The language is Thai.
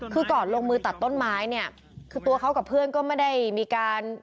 คือก่อนลงมือตัดต้นไม้เนี่ยคือตัวเขากับเพื่อนก็ไม่ได้มีการ